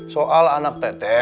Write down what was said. soal anak teteh